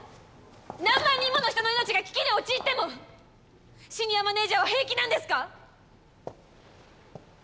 何万人もの人の命が危機に陥ってもシニアマネージャーは平気なんですか？